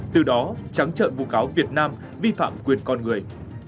từ đó trắng trợn vụ cáo việt nam vi phạm quyền con người